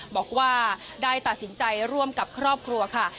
บอกว่าได้ตัดสินใจร่วมกับครอบครัวค่ะ